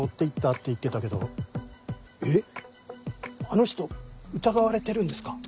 あの人疑われてるんですか？